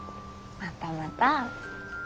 またまた。